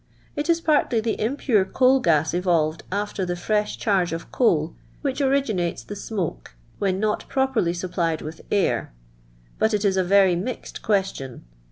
" It is partly the impure coal gas evolved after the fresh charge of cn:il wliich originates the smokes, when not properly supplied with air ; but it is a very mixed question.